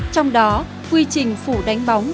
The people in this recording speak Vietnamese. trong đó quy trình phủ đánh bóng